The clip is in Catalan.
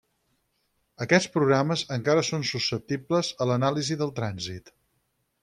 Aquests programes encara són susceptibles a l'anàlisi del trànsit.